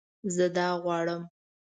زه دا غواړم